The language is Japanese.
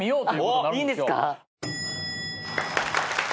いいんですか？